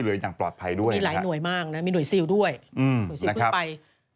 ซึ่งตอน๕โมง๔๕นะฮะทางหน่วยซิวได้มีการยุติการค้นหาที่